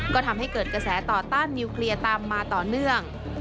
ก็ทำให้เกิดกระแสต่อต้านนิวเคลียร์ตามมาต่อเนื่อง